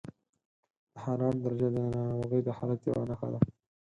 د حرارت درجه د ناروغۍ د حالت یوه نښه ده.